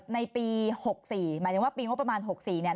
ในปี๖๔หมายถึงว่าปีงบประมาณ๖๔เนี่ย